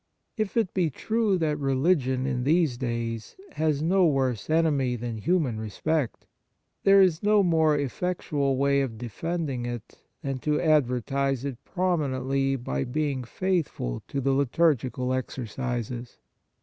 If it be true that religion in these days has no worse enemy than human respect, there is no more effectual way of defending it than to advertise it prominently by being faithful to the liturgical exercises.